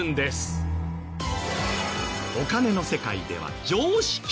お金の世界では常識！